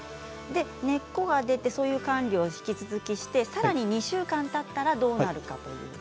根っこが出てそういう管理を引き続きしてさらに２週間たったらどうなるかというと。